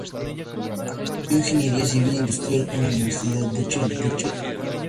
Estudió Ingeniería Civil Industrial en la Universidad de Chile.